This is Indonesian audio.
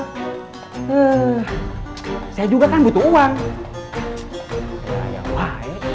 heeh saya juga kan butuh uang ya ya lah eh